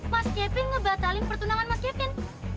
mas kevin ngebatalin pertunangan mas yakin